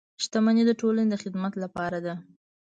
• شتمني د ټولنې د خدمت لپاره ده.